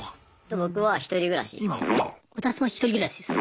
僕は１人暮らしですね。